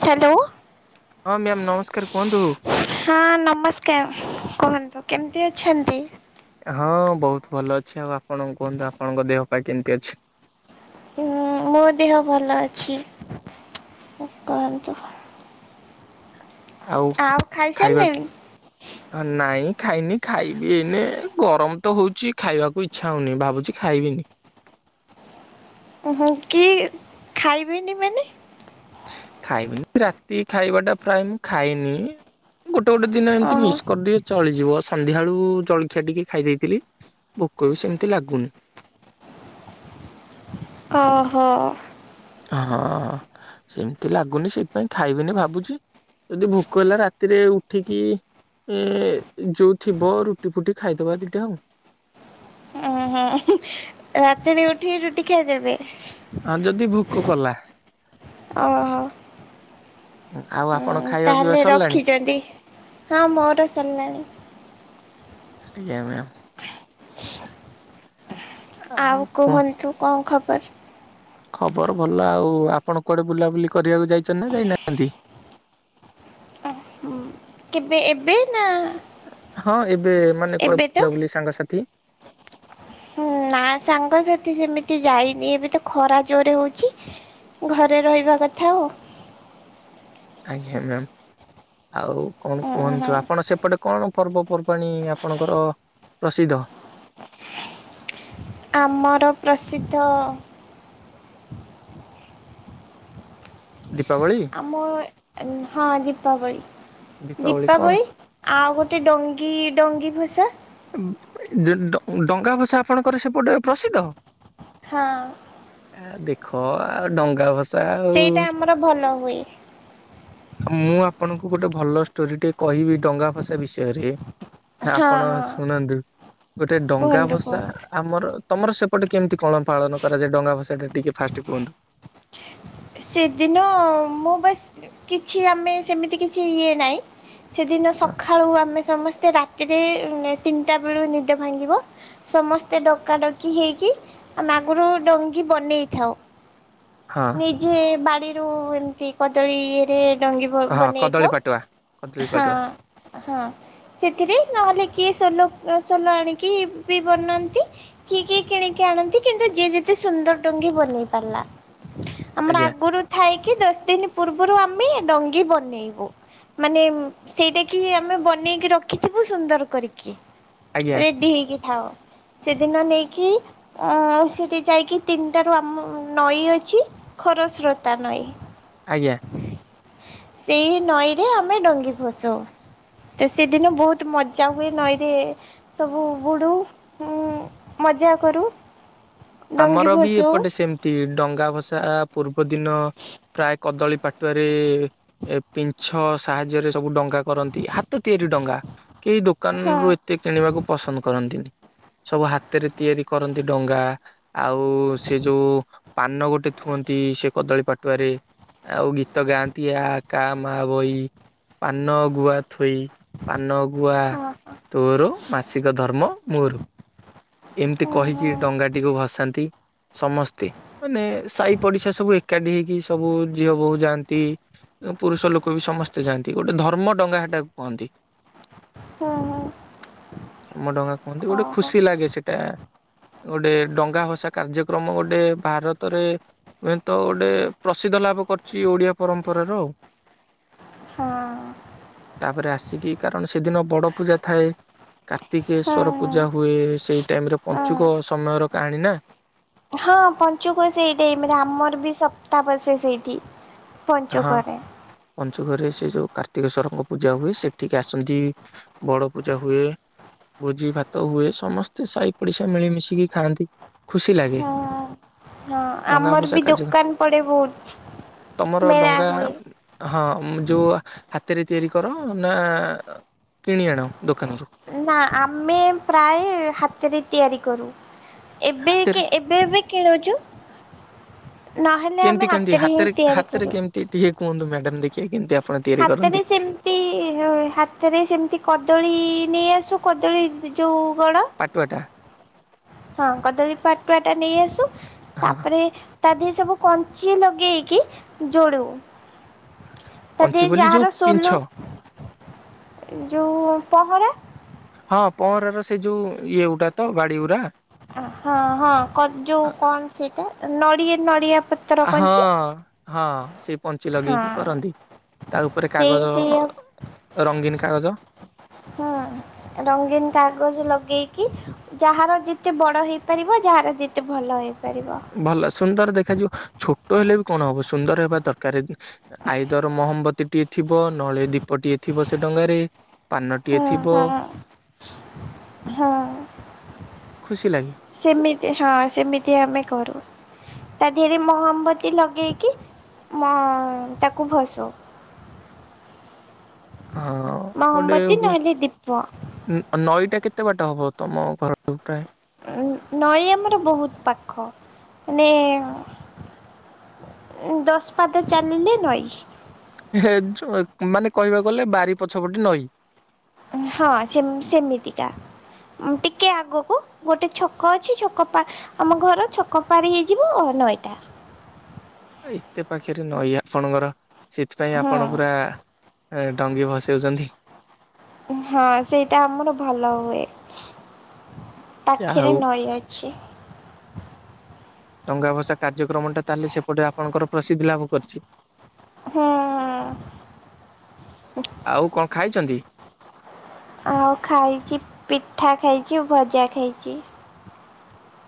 Hello ହଁ ma'am ନମସ୍କାର କୁହନ୍ତୁ। ହଁ ନମସ୍କାର। କୁହନ୍ତୁ କେମିତି ଅଛନ୍ତି? ହଁ ବହୁତ ଭଲ ଅଛି ଆଉ ଆପଣ କୁହନ୍ତୁ ଆପଣଙ୍କ ଦେହ ପା କେମିତି ଅଛି? ହୁଁ ମୋ ଦେହ ଭଲ ଅଛି କୁହନ୍ତୁ? ଆଉ ଖାଇବା ନାଇଁ ଖାଇନି ଖାଇବି ଏଇନେ ଗରମ ଗରମତ ହଉଛି ଖାଇବାକୁ ଇଚ୍ଛା ହଉନି ଭାବୁଛି ଖାଇବିନି। ଓ ହଁ କି ଖାଇବିନି ମାନେ ଖାଇବିନି ରାତି ଖାଇବାଟା ପ୍ରାୟ ମୁ ଖାଇନି ଗୋ ଗୋଟେ ଟେ ଦିନ ଏମତି ଓହୋ। ମିସ୍ କରିଦିଏ ଛି ଚଳିଯିବ ସନ୍ଧ୍ୟାବେଳୁ ଜଳଖିଆ ଟିକେ ଖାଇ ଦେଇଥିଲି ଭୋକ ବି ସେମିତି ଲାଗୁନି। ଓହୋ। ହଁ ସେମିତି ଲାଗୁନି ସେଇଥିପାଇଁ ଖାଇବିନି ଭାବୁଛି ଯଦି ଭୋକ ହେଲା ରାତିରେ ଉଠିକି ଏ ଯୋଉ ଥିବ ରୁଟି ଫୁଟି ଖାଇଦବା ଦିଟା ଆଉ। ହଁ ହ ରାତିରେ ଉଠିକି ରୁଟି ଖାଇଦେବେ। ହଁ ଯଦି ଭୋକ କଲା ଓହୋ। ଆଉ ଆପ ତାହେଲେ ରଖିଛନ୍ତି ହଁ ମୋର ସରିଲାଣି। ଆଜ୍ଞା ମାମ ଆଉ କୁହନ୍ତୁ କଣ ଖବର? ପର ଖବର ଭଲ ଆଉ ଆପଣ କୁଆଡେ ବୁଲାବୁଲି କରିବାକୁ ଯାଇଛନ୍ତି ନା ଯାଇନାହାନ୍ତି? କେବେ ଏବେ ନା? ହଁ ଏବେ ମାନେ କଣ ଏବେ ତ? ବୁଲା ବୁଲି ସାଙ୍ଗସାଥି ହୁଁ ନା ସାଙ୍ଗସାଥି ସେମିତି ଯାଇନି ଏବେ ତ ଖରା ଜୋରେ ହଉଛି ଘରେ ରହିବା କଥା ଆଉ। ଆଜ୍ଞା ମାମ। ଆଉ କଣ ଉଁ ହୁଁ କୁହନ୍ତୁ ଆପଣ ସେପଟେ କଣ ପର୍ବପର୍ବାଣି ଆପଣଙ୍କର ପ୍ରସିଦ୍ଧ? ଆମର ପ୍ରସିଦ୍ଧ ଦୀପାବଳି ଆମ ହଁ ଦୀପାବଳି। ଦୀପାବଳି ଆଉ ଗ ଟେ ଡଙ୍ଗୀ ଡଙ୍ଗୀ ଭସା ଏ ଜ ନ ଡଙ୍ଗା ଭସା ଆପଣଙ୍କର ସେପଟେ ପ୍ରସିଦ୍ଧ? ହଁ। ଦେଖ ଡଙ୍ଗା ଭସ ସେଇଟା ଆମର ଭଲ ହୁଏ। ମୁଁ ଆପଣଙ୍କୁ ଗୋଟେ ଭଲ ଷ୍ଟୋରି ଟେ କହିବି ଡଙ୍ଗା ଭସା ବିଷୟରେ। ହଁ ଖା ଆପଣ ହଁ ଶୁଣନ୍ତୁ ଗୋଟେ ଡଙ୍ଗା କୁହନ୍ତୁ ଭସା କୁହନ୍ତୁ। ଆମର ତମର ସେପଟେ କେମିତି କଣ ପାଳନ କରାଯାଏ। ଡଙ୍ଗା ଭସାଟା ଟିକେ ଫାଷ୍ଟ କୁହନ୍ତୁ? ସେଦିନ ମୁଁ ବାସ୍ କିଛି ଆମେ ସେମିତି କିଛି ଇଏ ନାହିଁ। ସେଦିନ ସକାଳୁ ଆମେ ସମସ୍ତେ ରା ରେ ତିନିଟା ବେଳୁ ନିଦ ଭାଙ୍ଗିବ ସମସ୍ତେ ଡକା ଡକି ହେଇକି ଆ ମାଗୁର ଡଙ୍ଗି ବନେଇଥାଉ। ହଁ। ଯେ ବାଡ଼ିରୁୁ ଏମତି କଦଳୀଇଏରେ ଡଙ୍ଗୀ ହଁ କଦଳୀ ବନେଇଥାଉ ପାଟୁଆ କଦଳୀ ହଁ ପାଟୁଆ ହଁ ସେଥିରେ ନହଲେ କିଏ ଲ ସୋଲ ଆଣିକି ବି ବନାନ୍ତି କିଏ କିଏ କିଣିକି ଆଣନ୍ତି କିନ୍ତୁ ଯିଏ ଯେତେ ସୁନ୍ଦର ଟଙ୍ଗୀ ବନେଇ ପାରିଲା ଆମର ଆଜ୍ଞା ଆଗରୁ ଥାଇ କି ଦଶ ଦିନ ପୂର୍ବରୁ ଆମେ ଡଙ୍ଗି ବନେଇବୁ ମାନେ ସେଇଟା କି ଆମେ ବନେଇକି ରଖିଥିବୁ ସୁନ୍ଦର କରିକି ଆଜ୍ଞା ରେଡ଼ି ହେଇଁ କି ଥାଅ ସେଦିନ ନେଇକି ଅ ସେଠି ଯାଇକି ତିନିଟାରୁ ଆମ ନଈ ଅଛି ଖରସ୍ରୋତା ନଇଁ ଆଜ୍ଞା। ସେଇ ନଈରେ ଆମେ ଡଙ୍ଗି ଭସଉ ତ ସେଦିନ ବହୁତ ମଜା ହୁଏ ନଈରେ ସବୁ ବୁଡ଼ୁ ଉଁ ମଜା କରୁ ଡଙ୍ଗି ଆମର ବି ଭସଉ ଏପଟେ ସେମତି ଡଙ୍ଗା ଭସା ପୂର୍ବ ଦିନ ପ୍ରାୟ କଦଳୀ ପାଟୁଆରେ ଏ ପିଛ ସାହାଯ୍ୟରେ ସବୁ ଡଙ୍ଗା କରନ୍ତି ହାତ ତିଆରି ଡଙ୍ଗା କେହି ଦୋକାନ ହଁ ରୁ ଏତେ କିଣିବାକୁ ପସନ୍ଦ କରନ୍ତିନି ସବୁ ହାତରେ ତିଆରି କରନ୍ତି ଡଙ୍ଗା ଆଉ ସେ ଯୋଉ ପାନ ଗୋଟେ ଥୁଅନ୍ତି ସେ କଦଳୀ ପାଟୁଆରେ ଆଉ ଗୀତ ଗାଆନ୍ତି ଆ କା ମା ବଇ ପାନ ଗୁଆ ଥୋଇ ପାନ ଗୁଆ ହଁ ତୋର ମାସିକ ଧର୍ମ ମୋର ଏମିତି ହଁ କହିକି ହଁ ଡଙ୍ଗାଟିକୁ ଭସ ଥାନ୍ତି ସମସ୍ତେ ମାନେ ସାହି ପଡ଼ିଶା ସବୁ ଏକାଠି ହେଇକି ସବୁ ଝିଅ ବୋହୂ ଯାଆନ୍ତି ପୁରୁଷ ଲୋକ ବି ସମସ୍ତେ ଯାଆନ୍ତି ଗୋଟେ ଧର୍ମ ଡଙ୍ଗା ହେଟାକୁ କୁହନ୍ତି। ହଁ ହଁ। ଧର୍ମଡ଼ଙ୍ଗା କୁହନ୍ତି ଗୋଟେ ଓହୋ ଖୁସି ଲାଗେ ସେଟା ଗୋଟେ ଡଙ୍ଗା ଭ ଭଷା କାର୍ଯ୍ୟକ୍ରମ ଗୋଟେ ଭାରତରେ ହୁଏ ତ ଗୋଟେ ପ୍ରସିଦ୍ଧ ଲାଭ କରିଛି ଓଡ଼ିଆ ପରମ୍ପରାର ଆଉ ହଁ। ତାପରେ ଆସିକି କାରଣ ସେଦିନ ବଡ଼ ପୂଜା ଥାଏ ହୁଁ କାର୍ତ୍ତିକେଶ୍ଵର ପୂଜା ହୁଏ ସେଇ ଟାଇମରେ ପଞ୍ଚୁକ ହୁଁ ସମୟର କାହାଣୀ ନା ହଁ ପଞ୍ଚୁକ ସେଇ ଟାଇମରେ ଆମର ବି ସପ୍ତା ବ ସେ ସେଇଠି ହଁ ପଞ୍ଚୁକରେ ପଞ୍ଚୁକରେ ସେ ଯୋଉ କାର୍ତ୍ତିକେଶ୍ୱରଙ୍କ ପୂଜା ହୁଏ ସେଠିକି ଆସନ୍ତି, ବଡ଼ ପୂଜା ହୁଏ ଭୋଜି ଭାତ ହୁଏ ସମସ୍ତେ ସାହି ପଡ଼ିଶା ମିଳିମିଶିକି ଖାଆନ୍ତି ଖୁସି ଲାଗେ ହଁ ହଁ ଡଙ୍ଗା ଆମର ଭସା ବି କାର୍ଯ୍ୟକ୍ରମ ଦୋକାନ ପଡ଼େ ବହୁତ ତମର ମେଳା ଡଙ୍ଗା ହୁଏ। ହଁ ଯୋଉଁ ହାତରେ ତିଆରି କର ନା କିଣି ଆଣ ଦୋକାନରୁ ନା ଆମେ ପ୍ରାୟ ହାତରେ ତିଆରି କରୁ। ଏବେ ହାତରେ କେ ଏବେ ଏବେ କିଣୁଛୁ ନହେଲେ ଆମେ କେମିତି କେମିତି ହିଁ ହାତରେ ତିଆରି ହାତରେ କରୁ। କେମିତି ଟିିଏ କୁଅନ୍ତୁ [unintelligible] ହାତରେ ସେମିତି ହାତରେ ସେମିତି କଦଳୀ ନେଇ ଆସି କଦଳୀ ଯୋଉ ଗଡ ପାଟୁଆଟା। ହଁ କଦଳୀ ପାଟୁଆ ଟା ନେଇ ଆସୁ। ହଁ ତାପରେ ତା ଦେହରେ ସବୁ କଞ୍ଚି ଲଗେଇକି ଯୋଡୁ। କଞ୍ଚି ତାଦିଅ ରେ ବୋଲି ଯୋଉ ଯାହାର ପିଞ୍ଛ ଶୋଲ। ଏ ଯୋଉ ପହଁରା। ହଁ ପଅଁଁରାର ସେ ଯଉ ଇଏ ଉଡ଼ା ତ ବାଡ଼ିଉଡ଼ା। ହଁ ହଁ କ ଯୋଉ କଣ ସେଇଟା? ନଡ଼ିଆ ନଡ଼ିଆ। ପତ୍ର କଞ୍ଚି ହଁ। ହଁ ସେ ହଁ କାଗଜ ସେଇ ସେଇଆ ରଙ୍ଗୀନ କାଗଜ ହୁଁ ରଙ୍ଗୀନ କାଗଜ ଲଗେଇ କି ଯାହାର ଜିତେ ବଡ ହେଇପାରିବ ଯାହାର ଯେତେ ଭଲ ହେ ପାରିବ। ଭଲ ସୁନ୍ଦର ଦେଖାଯିବ ଛୋଟ ହେଲେ ବି କଣ ହବ ସୁନ୍ଦର ହେବା ଦରକାର। ଆଇଦର ମହମ୍ବତୀ ଟି ଥିବ ନହେଲେ ଦୀପଟିଏ ଥିବ ସେ ଡଙ୍ଗାରେ। ପାନଟିଏ ହଁ ଥିବ ହଁ ହଁ ଖୁସି ଲାଗେ ସେମି ତି ହଁ ସେମିତି ଆମେ କରୁ ତା ଦେହରେ ମହମ୍ବତୀ ଲଗେଇକି ମ ତାକୁ ଭସଉ। ହଁ ଗୋଟେ ମହମବତୀ ନହେଲେ ଦୀପ ହୁଏ ନଈଟା କେ ତେ ବାଟ ହେବ ତମ ଘରଠୁ ପ୍ରାୟ? ନଈ ଆମର ବହୁତ ପାଖ ମାନେ ଦଶ ପାଦ ଚାଲିଲେ ନଈ। ହେ ମାନେ କହିବାକୁ ଗଲେ ବାରି ପଛପଟେ ନଈ। ହଁ ସେମି ସେମିତିକା ଟିକେ ଆଗକୁ ଗୋଟେ ଛକ ଅଛି ଛକ ପା ଆମ ଘର ଛକ ପାର ହେଇଯିବ ନଈଟା। ଏତେ ପାଖରେ ନଈ ଆପଣଙ୍କର। ସେଥିପାଇଁ ଆପଣ ପୁରା ହୁଁ ଏ ଡଙ୍ଗି ଭସଉଚନ୍ତି। ହଁ ସେଇଟା ଆମର ଭଲ ହୁଏ। ଯାହା ପାଖେରେ ହଉ ନଈ ଅଛି। ଡଙ୍ଗା ଭସା କା ର୍ଯ୍ୟକ୍ରମଟା ତାହେଲେ ସେପଟେ ଆପଣଙ୍କର ପ୍ରସିଦ୍ଧି ଲାଭ କରିଚି। ଆଉ କଣ ଖାଇଛନ୍ତି ହଁ। ଆଉ ଖାଇଛି ପିଠା ଖାଇଛି ଭଜା ଖାଇଛି।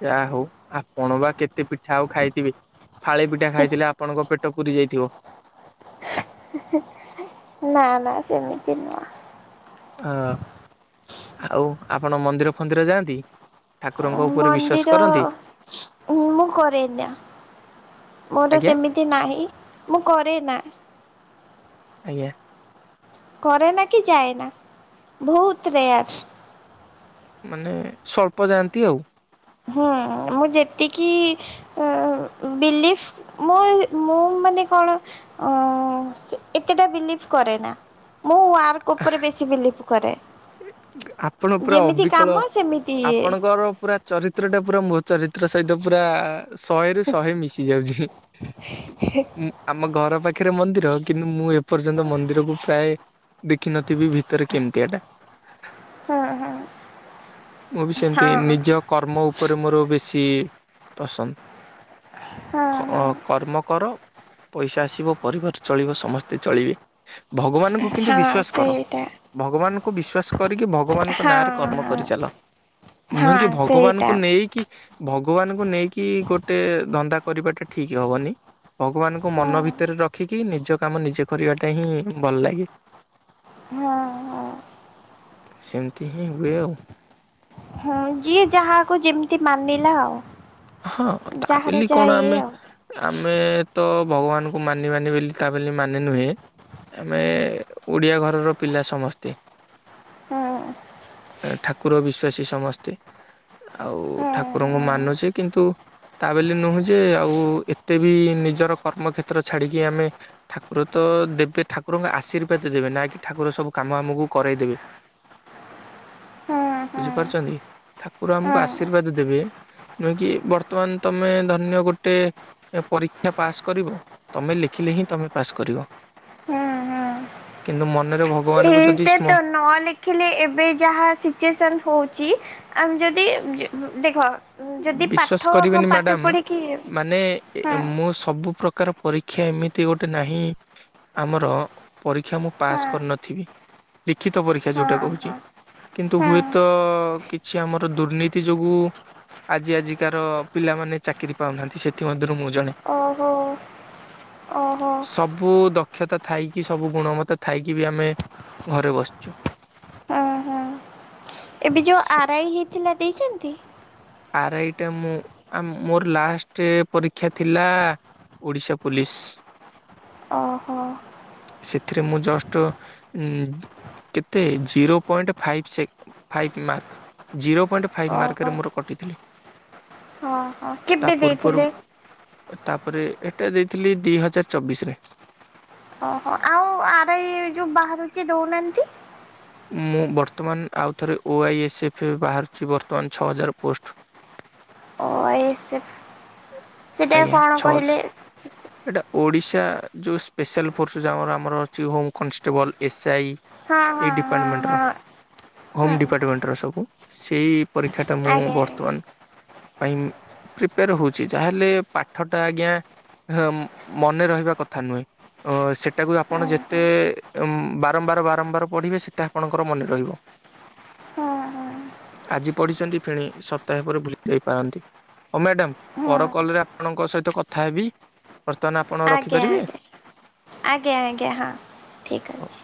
ଯାହା ହଉ ଆପଣ ବା କେତେ ପି ପିଠା ଆଉ ଖାଇଥିବି ଫାଳେ ପିଠା ଖାଇଥିଲେ ଆପଣଙ୍କ ପେଟ ଟ ପୁରୀ ଯାଇଥିବ। ନା ନା ସେମିତି ନୁହଁ। ହଁ ଆଉ ଆପଣ ମନ୍ଦିର ଫନ୍ଦିର ଯାଆନ୍ତି। ଠାକୁରଙ୍କ ଉପରେ ବିଶ୍ଵାସ ମନ୍ଦିର କରନ୍ତି ମୁଁ ମୋ କରେ ନା, ମୋର ଆଜ୍ଞା ସେମିତି ନାହିଁ ମୁଁ କରେ ନା। ଆଜ୍ଞା। କରେ ନା କିି ଯାଏନା ଭହୁତ ରେୟାର। ମାନେ ସ୍ୱଳ୍ପ ଯାଆନ୍ତି ଆଉ ହୁଁ ମୁଁ ଯେତିକି ବିଲିଭ ମୁଁ ମୁଁ ମାନେ କଣ ଅ ଏତେଟା ବିଲିଭ କରେ ନା ମୁଁ ୱାର୍କ ଉପରେ ବେଶୀ ବିଲିପ୍ କରେ। ଆପଣ ପୁରା ଯେମିତି ଅବିକଳ କାମ ସେମିତି ଇଏ ଆପଣଙ୍କର ପୁରା ଚରିତ୍ର ଚିତ୍ରଟା ପୁରା ମୋ ଚରିତ୍ର ସହିତ ପୁରା ଶହେରୁ ଶହେ ମିଶି ଯାଉଛି ଉଁ ଆମ ଘର ପାଖରେ ମନ୍ଦିର କିନ୍ତୁ ମୁଁ ଏପର୍ଯ୍ୟନ୍ତ ମନ୍ଦିରକୁ ପ୍ରାୟ ଦେଖିନଥିବି ଭିତରେ କେମିତି ଆଟା। ହଁ ହଁ [inaudible] ମୁଁ ବି ସେମିତି ହଁ ନିଜ କର୍ମ ଉପରେ ମୋର ବେଶୀ ପସନ୍ଦ। ହଁ ଖଅ ହଁ କର୍ମ କର ପଇସା ଆସିବ ପରିବାର ଚଳିବ ସମସ୍ତେ ଚଳିବେ। ଭଗବାନଙ୍କୁ କିନ୍ତୁ ହଁ ବିଶ୍ଵାସ କର ସେଇଟା ଭଗବାନ କୁ ବିଶ୍ୱାସ କରିକି ଭଗବାନଙ୍କ ନାଁରେ ହଁ କର୍ମ ହଁ କରିଚାଲ ନୁହେଁ କି ହଁ ଭଗବାନଙ୍କୁ ସେଇଟା ନେଇକି ଭ ଭଗବାନଙ୍କୁ ନେଇକି ଗୋଟେ ଧନ୍ଦା କରିବାଟା ଠିକ ହବନି ଭଗବାନଙ୍କୁ ମନ ହଁ ଭିତରେ ରଖିକି କି ନିଜ କାମ ନିଜେ କରିବାଟା ହିଁ ଭଲ ଲାଗେ। ହଁ ହଁ। ସେମିତି ହିଁ ହୁଏ ଆଉ ହଉ ଯିଏ ଯାହାକୁ ଯେମିତି ମାନିଲା ଆଉ। ହଁ ତା ଯାହାର ବୋଲିି ଯାହା କଣ ଇଏ ଆମେ ଆଉ ଆମେ ତ ଭଗବାନଙ୍କୁ ମାନି ମାନି ବୋଲି ତା ବୋଲି ମାନେ ନୁହେଁ ଆମେ ଓଡ଼ିଆ ଘରର ପିଲା ସମସ୍ତେ ହଁ। ଅ ଠାକୁର ବିଶ୍ଵାସୀ ସମସ୍ତେ ଆଉ ହୁଁ ଠାକୁରଙ୍କୁ ହୁଁ ମାନୁଛି କିନ୍ତୁ ତା ବୋଲି ନୁହେଁ ଯେ ଆଉ ଏତେ ବି ନିଜର କର୍ମକ୍ଷେତ୍ର ଛାଡିକି ଆମେ ଠାକୁର ତ ଦେବେ ଠାକୁରଙ୍କ ଆଶୀର୍ବାଦ ଦେବେ ନା କି ଠାକୁର ସବୁ କାମ ଆମକୁ କରାଇଦେବେ ହୁଁ ହୁଁ ବୁଝିପାରୁଛନ୍ତି ଠାକୁର ଆମକୁ ହୁଁ ଆଶୀର୍ବାଦ ଦେବେ। ନୁହେଁ କି ବର୍ତ୍ତମାନ ତମେ ଧରିନିଅ ଗୋଟେ ପରୀକ୍ଷା ପାସ୍ କରିବ ତମେ ଲେଖିଲେ ହିଁ ତମେ ପାସ୍ କରିବ ହୁଁ ହୁଁ କିନ୍ତୁ ମନରେ ଭଗବାନଙ୍କୁ ଯଦି ସ୍ମ ଏତ ନ ଲେଖିଲେ ଏବେ ଯାହା ଶିଚୁଏସନ ହଉଛି ଆମ ଯଦି ମ୍ ଦେଖ ଯଦି ପାଠ ବିଶ୍ଵାସ ହଁ କରିଵେନି ପାଠ ମ୍ୟାଡାମ ପଢ଼ିକି ମାନେ ହଁ ମୁଁ ସବୁ ପ୍ର ପ୍ରକାର ପରୀକ୍ଷା ଏମିତି ଗୋଟେ ନାହିଁ ଆମର ପରୀକ୍ଷା ମୁଁ ପାସ୍ ହଁ କରିନଥିବି ଲିଖିତ ପରୀକ୍ଷା ହଁ ଯୋଉଟା କହୁଛି କିନ୍ତୁ ହଁ ହଁ ହୁଏତ କିଛି ଆମର ଦୁର୍ନୀତି ଯୋଗୁ ଆଜି ଆଜିକାର ପିଲାମାନେ ଚାକିରି ପାଉନାହାନ୍ତି ସେଥିମଧ୍ୟରୁ ମୁଁ ଜଣେ ଓହୋ ଓହୋ ସବୁ ଦକ୍ଷତା ଥାଇକି ସବୁ ଗୁଣମତ ଥାଇକି ବି ଆମେ ଘରେ ବସିଛୁ। ହୁଁ ହୁଁ ଏବେ ଯୋଉ ଆରଆଇ ହେଇଥିଲା ଦେଇଛ ନ୍ତି? ଆରଆଇଟା ମୁଁ ଆଁ ମୋର ଲାଷ୍ଟ ପରୀକ୍ଷା ଥିଲା ଓଡିଶା ପୋଲିସ ଓହୋ ସେଥିରେ ମୁଁ ଜଷ୍ଟ ଉଁ କେତେ ଜିରୋ ପଏଣ୍ଟ ଫାଇଫ୍ ସେ five mark zero point five ମାର୍କରେ ଓହୋ ମୋର କଟିଥିଲା। କେବେ ଦେଇଥିଲେ? ତାପରେ ଏଟା ଦେଇଥିଲି ଦି ହଜାର ଚବିଶରେ। ଓହୋ ଆଉ ଆରଆଇ ଯୋଉ ବାହାରୁଛି ଦଉନାହାନ୍ତି? ମୁଁ ବର୍ତ୍ତମାନ ଆଉଥରେ ଓଆଇଏସ୍ଏଫ ବାହାରୁଛି ବର୍ତ୍ତମାନ ଛଅ ହଜାର ପୋଷ୍ଟ ଓଆଇଏସ୍ଏଫ ସେଟା ଆଜ୍ଞା କଣ ଛଅ ହଜାର କହିଲେ? ଏଇଟା ଓଡ଼ିଶା ଯୋଉ ସ୍ପେଶାଲ ଫୋର୍ସ ଯାର ଆମର ଅଛି ହୋମ କନଷ୍ଟେବଲ୍ ଏସ୍ଆଇ ହଁ ହଁ ହଁ ହଁ। ହୋମ୍ ହୁଁ ଡିପାର୍ଟମେଣ୍ଟର ସବୁ ସେଇ ପରୀକ୍ଷାଟା ମୁଁ ଆଜ୍ଞା ଆଜ୍ଞା ବର୍ତ୍ତମାନ ପାଇଁ ପ୍ରିପେୟାର ହଉଛି ଯାହାହେଲେ ପାଠଟା ଆଜ୍ଞା ହାଁ ମନେ ରହିବା କଥା ନୁହେଁ ଅ ସେଟାକୁ ହୁଁ ଆପଣ ଯେତେ ହୁଁ ବାରମ୍ବାର ବାରମ୍ବାର ପଢିବେ ସେତେ ଆପଣଙ୍କର ମନେ ରହିବ ହୁଁ ହୁଁ ଆଜି ପଢିଛନ୍ତି ଫେଣି ସପ୍ତାହେ ପରେ ଭୁଲି ଯାଇପାରନ୍ତି ଓ ମ୍ୟାଡାମ ହୁଁ ପର କଲରେ ଆପଣଙ୍କ ସହିତ କଥା ହେବି? ବର୍ତ୍ତମାନ ଆପଣ ଆଜ୍ଞା ରଖିପାରିବେ? ଆଜ୍ଞା ଆଜ୍ଞା ଆଜ୍ଞା ହଁ ଠିକ ଅଛି।